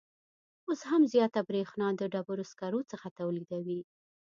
اوس هم زیاته بریښنا د ډبروسکرو څخه تولیدوي